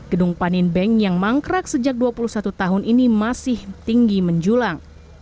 gedung panin bank yang mangkrak sejak dua puluh satu tahun ini masih tinggi menjulang